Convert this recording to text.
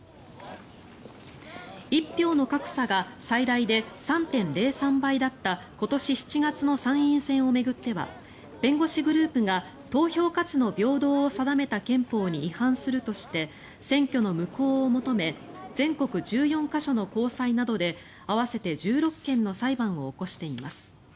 一票の格差が最大で３．０３倍だった今年７月の参院選を巡っては弁護士グループが投票価値の平等を定めた憲法に違反するとして選挙の無効を求め全国１４か所の高裁などで合わせて１６件の裁判を起こしています。